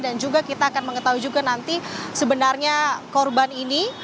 dan juga kita akan mengetahui juga nanti sebenarnya korban ini